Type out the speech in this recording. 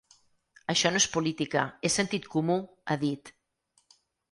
Això no és política, és sentit comú, ha dit.